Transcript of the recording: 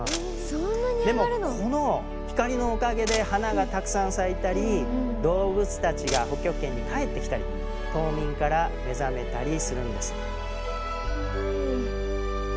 そんなに上がるの⁉でもこの光のおかげで花がたくさん咲いたり動物たちが北極圏に帰ってきたり冬眠から目覚めたりするんです。